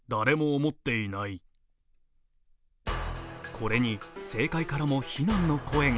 これに政界からも非難の声が。